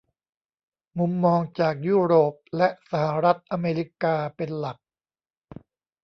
มุมมองจากยุโรปและสหรัฐอเมริกาเป็นหลัก